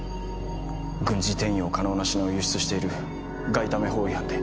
軍事転用可能な品を輸出している外為法違反で。